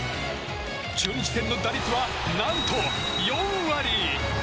中日戦の打率は何と４割。